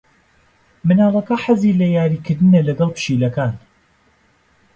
منداڵەکە حەزی لە یاریکردنە لەگەڵ پشیلەکان.